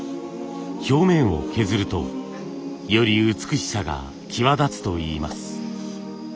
表面を削るとより美しさが際立つといいます。